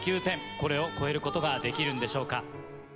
これを超えることができるんでしょうか？